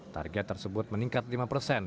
target tersebut meningkat lima persen